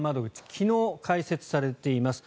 昨日、開設されています。